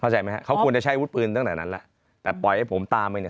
ใจไหมครับเขาควรจะใช้วุฒิปืนตั้งแต่นั้นแล้วแต่ปล่อยให้ผมตามไปเนี่ย